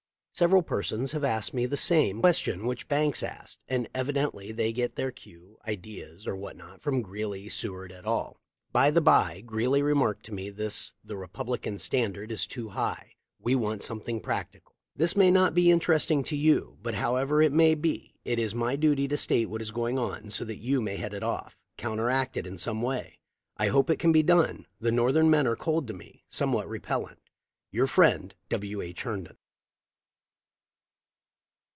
Several persons have asked me the same question which Banks asked and evidently they get their cue, ideas, or what not from Gree ley, i Seward, et al. By the bye, Greeley remarked to me this The Republican standard is too high; we want something practical/ "This may not be interesting to you, but, however it mav be it is my duty to state what is going on, so "hat you may head it off counteract it m some way I hope 1 can be done. The northern men are cold to me— somewhat repellent. "Your friend, "W. H. Herndon." 396 THE LIFE 0F LINCOLN.